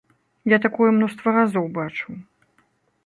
Я такое мноства разоў бачыў.